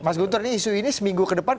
mas guntur ini isu ini seminggu ke depan